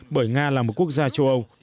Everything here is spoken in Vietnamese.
bởi nga là một quốc gia châu âu